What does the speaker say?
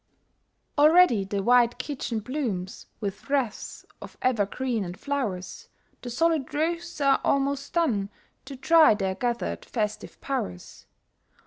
Already the wide kitchen blooms With wreaths of evergreens and flowers, The solid roasts are almost done, To try their gathered festive powers.